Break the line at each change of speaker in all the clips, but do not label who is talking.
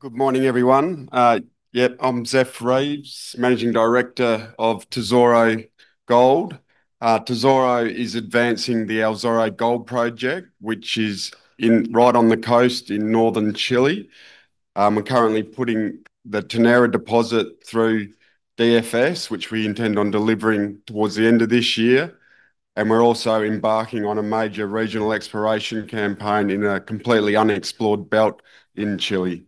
Good morning, everyone. I'm Zeff Reeves, Managing Director of Tesoro Gold. Tesoro is advancing the El Zorro Gold Project, which is right on the coast in northern Chile. We're currently putting the Ternera deposit through DFS, which we intend on delivering towards the end of this year. We are also embarking on a major regional exploration campaign in a completely unexplored belt in Chile.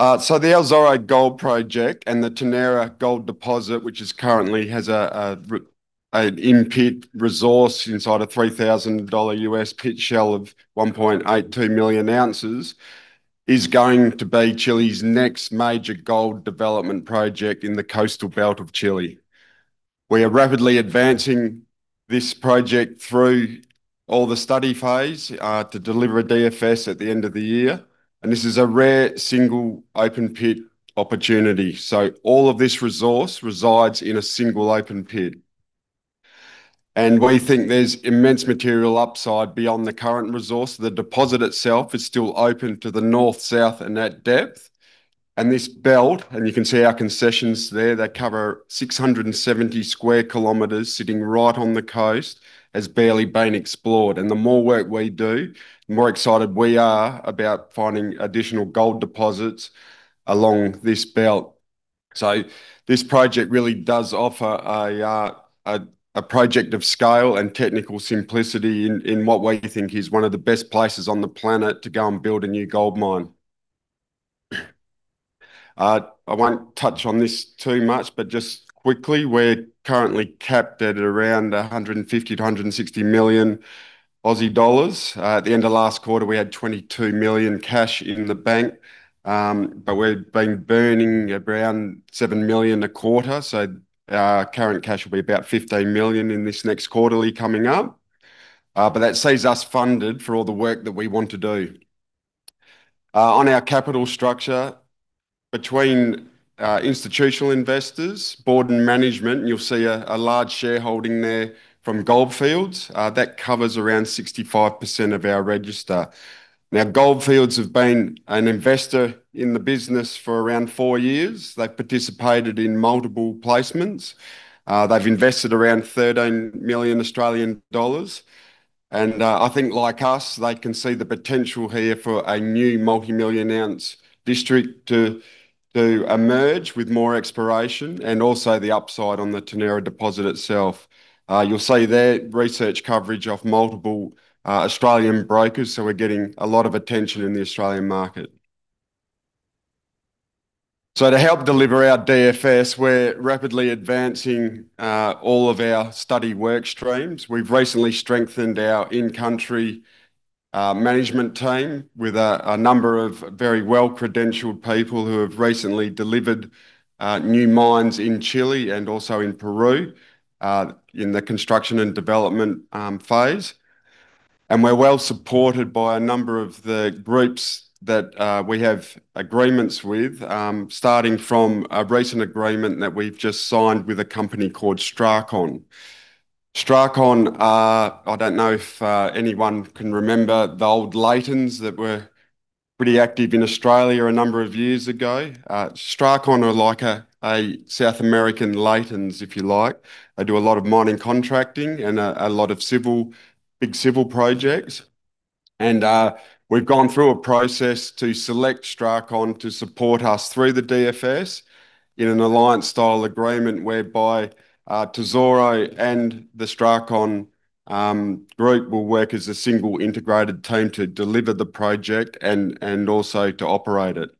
The El Zorro Gold Project and the Ternera gold deposit, which currently has an in-pit resource inside a $3,000 U.S. pit shell of 1.18 million ounces, is going to be Chile's next major gold development project in the coastal belt of Chile. We are rapidly advancing this project through all the study phase to deliver a DFS at the end of the year. This is a rare single open-pit opportunity. All of this resource resides in a single open pit. We think there's immense material upside beyond the current resource. The deposit itself is still open to the north, south, and at depth. This belt, and you can see our concessions there that cover 670 sq km sitting right on the coast, has barely been explored. The more work we do, the more excited we are about finding additional gold deposits along this belt. This project really does offer a project of scale and technical simplicity in what we think is one of the best places on the planet to go and build a new gold mine. I won't touch on this too much, but just quickly, we're currently capped at around 150 million-160 million Aussie dollars. At the end of last quarter, we had 22 million cash in the bank. We've been burning around 7 million a quarter, so our current cash will be about 15 million in this next quarterly coming up. That sees us funded for all the work that we want to do. On our capital structure between institutional investors, Board, and management, you'll see a large shareholding there from Gold Fields. That covers around 65% of our register. Gold Fields have been an investor in the business for around four years. They've participated in multiple placements. They've invested around 13 million Australian dollars, I think like us, they can see the potential here for a new multimillion-ounce district to emerge with more exploration and also the upside on the Ternera deposit itself. You'll see there research coverage of multiple Australian brokers. We're getting a lot of attention in the Australian market. To help deliver our DFS, we're rapidly advancing all of our study work streams. We've recently strengthened our in-country management team with a number of very well-credentialed people who have recently delivered new mines in Chile and also in Peru, in the construction and development phase. We're well supported by a number of the groups that we have agreements with, starting from a recent agreement that we've just signed with a company called STRACON. STRACON, I don't know if anyone can remember the old Leightons that were pretty active in Australia a number of years ago. STRACON are like a South American Leightons, if you like. They do a lot of mining contracting and a lot of big civil projects. We've gone through a process to select STRACON to support us through the DFS in an alliance-style agreement whereby Tesoro and the STRACON group will work as a single integrated team to deliver the project and also to operate it.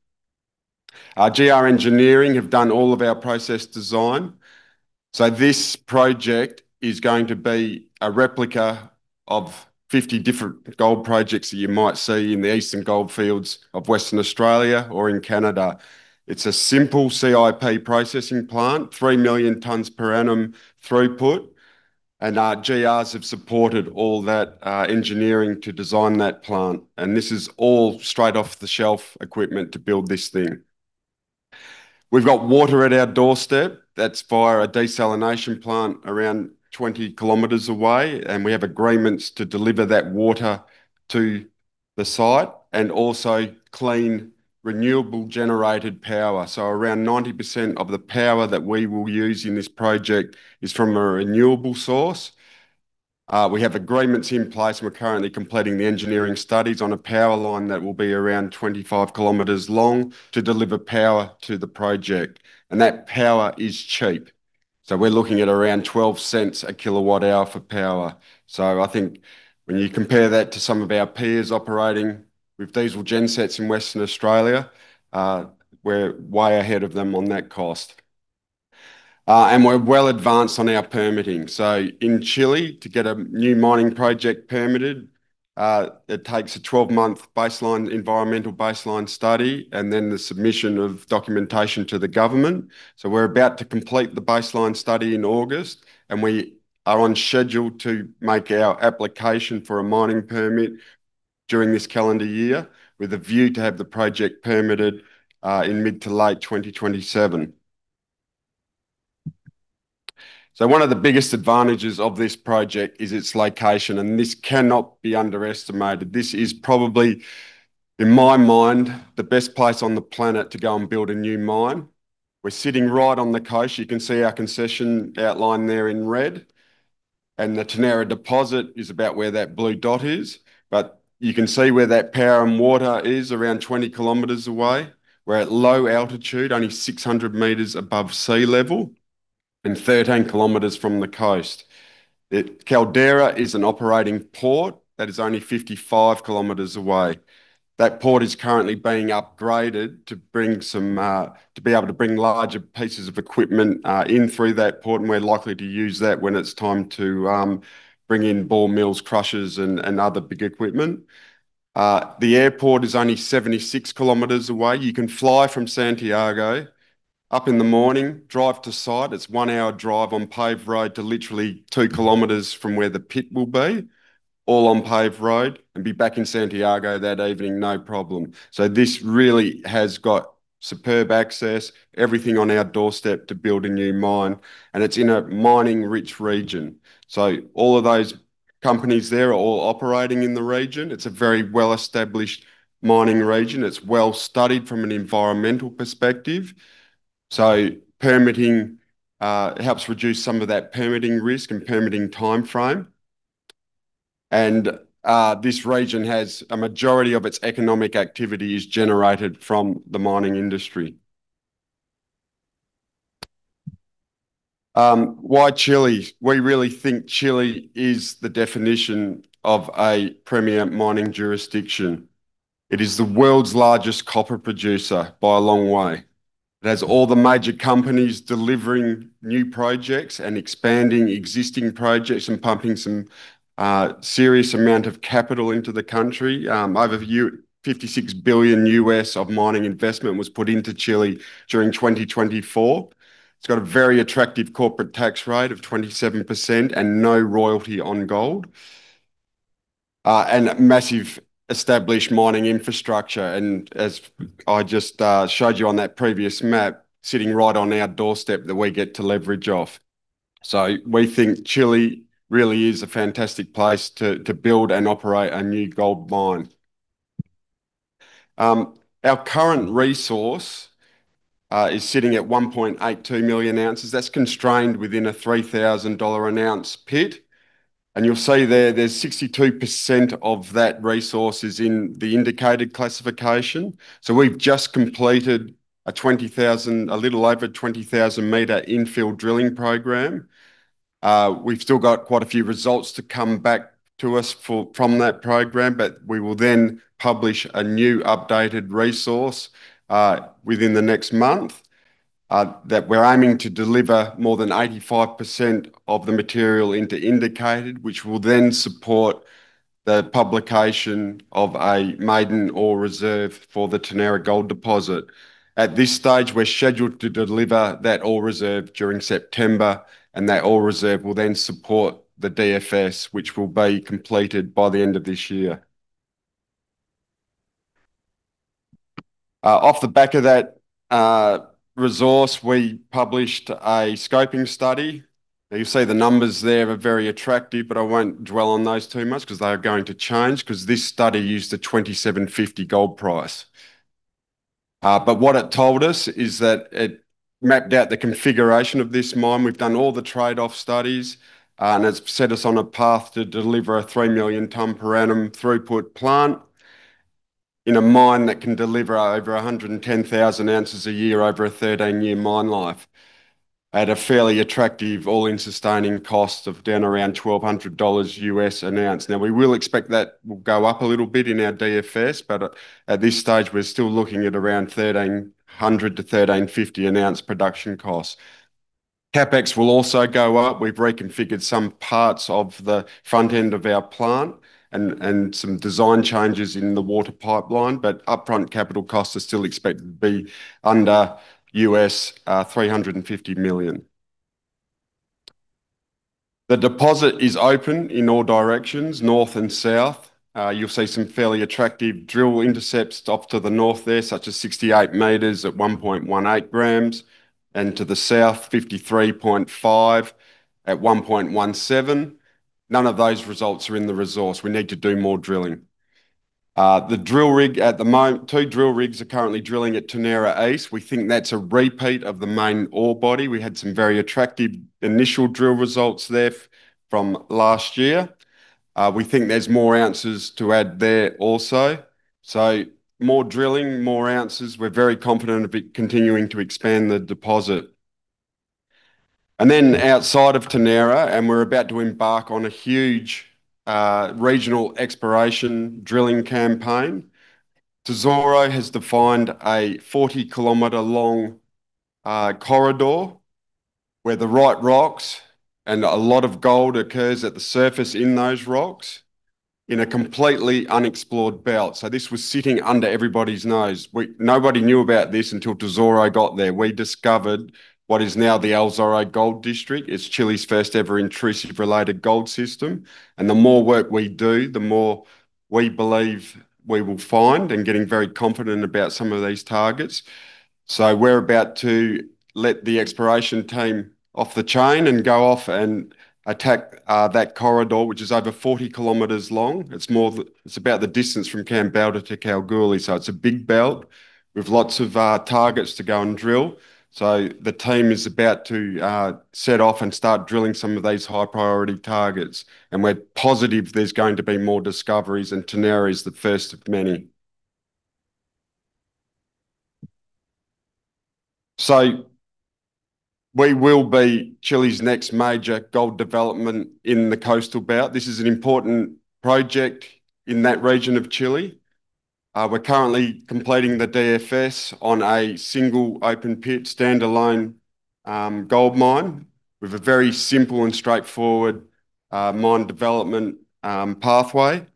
GR Engineering have done all of our process design. This project is going to be a replica of 50 different gold projects that you might see in the Eastern goldfields of Western Australia or in Canada. It's a simple CIP processing plant, 3 million tons per annum throughput, and our GRs have supported all that engineering to design that plant, and this is all straight-off-the-shelf equipment to build this thing. We've got water at our doorstep. That's via a desalination plant around 20 km away, and we have agreements to deliver that water to the site and also clean, renewable generated power. Around 90% of the power that we will use in this project is from a renewable source. We have agreements in place, and we're currently completing the engineering studies on a power line that will be around 25 km long to deliver power to the project, and that power is cheap. We're looking at around 0.12 kWh for power. I think when you compare that to some of our peers operating with diesel gen sets in Western Australia, we're way ahead of them on that cost. We're well advanced on our permitting. In Chile, to get a new mining project permitted, it takes a 12-month environmental baseline study and then the submission of documentation to the government. We're about to complete the baseline study in August, and we are on schedule to make our application for a mining permit during this calendar year with a view to have the project permitted in mid to late 2027. One of the biggest advantages of this project is its location, and this cannot be underestimated. This is probably, in my mind, the best place on the planet to go and build a new mine. We're sitting right on the coast. You can see our concession outline there in red, and the Ternera deposit is about where that blue dot is. You can see where that power and water is around 20 km away. We're at low altitude, only 600 m above sea level, and 13 km from the coast. Caldera is an operating port that is only 55 km away. That port is currently being upgraded to be able to bring larger pieces of equipment in through that port, and we're likely to use that when it's time to bring in ball mills, crushers, and other big equipment. The airport is only 76 km away. You can fly from Santiago up in the morning, drive to site. It's one hour drive on paved road to literally two kilometers from where the pit will be, all on paved road, and be back in Santiago that evening, no problem. This really has got superb access, everything on our doorstep to build a new mine, and it's in a mining-rich region. All of those companies there are all operating in the region. It's a very well-established mining region. It's well-studied from an environmental perspective. It helps reduce some of that permitting risk and permitting timeframe. This region, a majority of its economic activity is generated from the mining industry. Why Chile? We really think Chile is the definition of a premier mining jurisdiction. It is the world's largest copper producer by a long way. It has all the major companies delivering new projects and expanding existing projects and pumping some serious amount of capital into the country. Over $56 billion of mining investment was put into Chile during 2024. It's got a very attractive corporate tax rate of 27% and no royalty on gold, and massive established mining infrastructure, as I just showed you on that previous map, sitting right on our doorstep that we get to leverage off. We think Chile really is a fantastic place to build and operate a new gold mine. Our current resource is sitting at 1.82 million ounces. That's constrained within a $3,000 an ounce pit. You'll see there's 62% of that resource is in the indicated classification. We've just completed a little over 20,000-m infill drilling program. We've still got quite a few results to come back to us from that program, but we will then publish a new updated resource within the next month, that we're aiming to deliver more than 85% of the material into indicated, which will then support the publication of a maiden ore reserve for the Ternera gold deposit. At this stage, we're scheduled to deliver that ore reserve during September, and that ore reserve will then support the DFS, which will be completed by the end of this year. Off the back of that resource, we published a scoping study. You see the numbers there are very attractive, I won't dwell on those too much because they are going to change because this study used a $2,750 gold price. What it told us is that it mapped out the configuration of this mine. We've done all the trade-off studies, and it's set us on a path to deliver a 3 million ton per annum throughput plant in a mine that can deliver over 110,000 oz a year over a 13-year mine life at a fairly attractive all-in sustaining cost of down around $1,200 an ounce. We will expect that will go up a little bit in our DFS, but at this stage, we're still looking at around $1,300-$1,350 an ounce production cost. CapEx will also go up. We've reconfigured some parts of the front end of our plant and some design changes in the water pipeline, upfront capital costs are still expected to be under $350 million. The deposit is open in all directions, north and south. You'll see some fairly attractive drill intercepts off to the North there, such as 68 m at 1.18 g, and to the South, 53.5 m at 1.17 g. None of those results are in the resource. We need to do more drilling. Two drill rigs are currently drilling at Ternera East. We think that's a repeat of the main ore body. We had some very attractive initial drill results there from last year. We think there's more ounces to add there also. More drilling, more ounces. We're very confident of it continuing to expand the deposit. Outside of Ternera, we're about to embark on a huge regional exploration drilling campaign. Tesoro has defined a 40-km long corridor where the right rocks and a lot of gold occurs at the surface in those rocks in a completely unexplored belt. This was sitting under everybody's nose. Nobody knew about this until Tesoro got there. We discovered what is now the El Zorro Gold District. It's Chile's first ever intrusion-related gold system. The more work we do, the more we believe we will find and getting very confident about some of these targets. We're about to let the exploration team off the chain and go off and attack that corridor, which is over 40 km long. It's about the distance from Kambalda to Kalgoorlie, so it's a big belt with lots of targets to go and drill. The team is about to set off and start drilling some of these high-priority targets, and we're positive there's going to be more discoveries, and Ternera is the first of many. We will be Chile's next major gold development in the coastal belt. This is an important project in that region of Chile. We're currently completing the DFS on a single open pit standalone gold mine with a very simple and straightforward mine development pathway.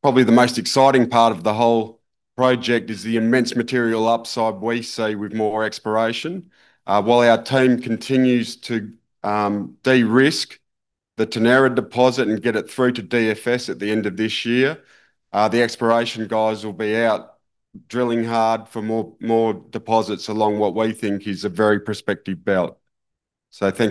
Probably the most exciting part of the whole project is the immense material upside we see with more exploration. While our team continues to de-risk the Ternera deposit and get it through to DFS at the end of this year, the exploration guys will be out drilling hard for more deposits along what we think is a very prospective belt. Thank you.